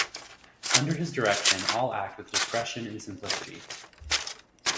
Under his direction all act with discretion and simplicity.